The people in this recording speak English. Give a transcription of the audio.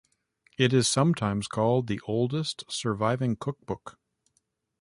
It is sometimes called the oldest surviving cookbook.